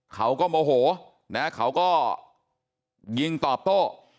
เขาก็โมโหนะเขาก็ยิงตอบโต้